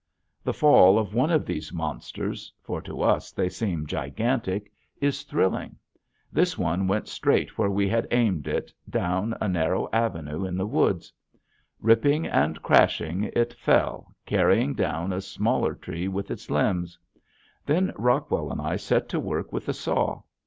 The fall of one of these monsters for to us they seem gigantic is thrilling. This one went straight where we had aimed it, down a narrow avenue in the woods. Ripping and crashing it fell carrying down a smaller tree with its limbs. Then Rockwell and I set to work with the saw.